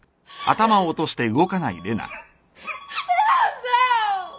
玲奈さん！